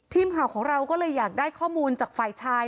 ทีมข่าวของเราก็เลยอยากได้ข้อมูลจากฝ่ายชาย